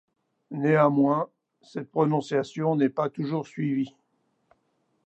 Néanmoins cette prononciation n'est pas toujours suivie.